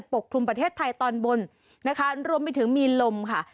กลุ่มประเทศไทยตอนบนนะคะรวมไปถึงมีลมค่ะ